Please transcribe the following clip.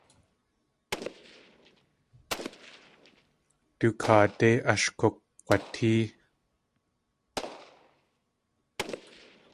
Du kaadé ashukg̲watée.